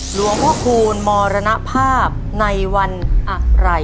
หลวงพ่อคูณมรณภาพในวันอะไร